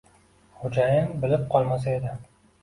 Xo‘jayin bilib qolmasa edi.